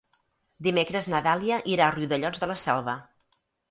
Dimecres na Dàlia irà a Riudellots de la Selva.